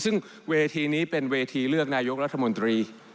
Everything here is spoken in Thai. ซึ่งเวทีนี้เป็นเวทีเลือกนายกรัฐมนตรี